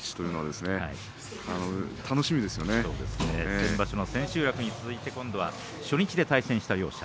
先場所の千秋楽に続いて今度は初日で対戦した両者。